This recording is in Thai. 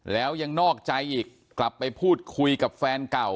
แล้วยังนอกใจอีกกลับไปพูดคุยกับแฟนเก่า